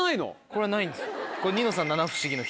これはないんですこれ。